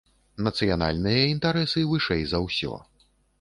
Нацыянальныя інтарэсы вышэй за ўсё.